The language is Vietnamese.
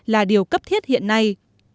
là điều cấp thiết hiện nay